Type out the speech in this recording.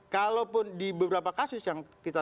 kalaupun di beberapa kasus yang kita